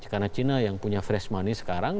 karena china yang punya fresh money sekarang